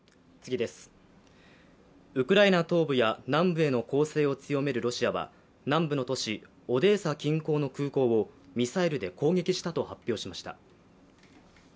ウクライナ東部や南部への攻勢を強めるロシアは南部の都市オデーサ近郊の空港をミサイルで攻撃したと発表しました。